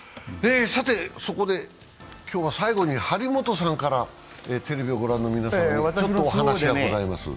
今日は最後に張本さんから、テレビを御覧の皆さんにちょっとお話がございます。